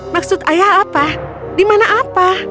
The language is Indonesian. maksud ayah apa di mana apa